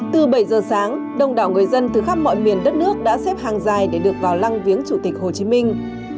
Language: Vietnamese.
từ bảy giờ sáng đông đảo người dân từ khắp mọi miền đất nước đã xếp hàng dài để được vào lăng viếng chủ tịch hồ chí minh